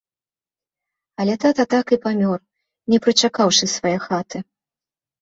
Але тата так і памёр, не прычакаўшы свае хаты.